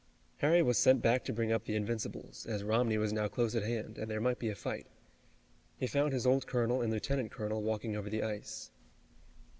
Harry was sent back to bring up the Invincibles, as Romney was now close at hand, and there might be a fight. He found his old colonel and lieutenant colonel walking over the ice.